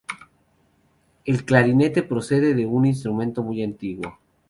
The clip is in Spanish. El clarinete procede de un instrumento muy antiguo.